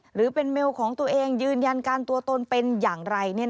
หรือเป็นเมลของตัวเองยืนยันการตัวตนเป็นอย่างไร